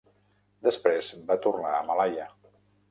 Després va tornar a Malaya.